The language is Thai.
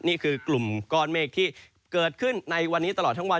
นี่คือกลุ่มก้อนเมฆที่เกิดขึ้นในวันนี้ตลอดทั้งวัน